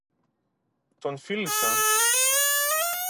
Τον φίλησα